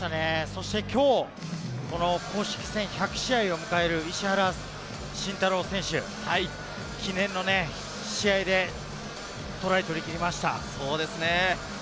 そして今日この公式戦１００試合目を迎える石原慎太郎選手、記念の試合でトライを取りきりました。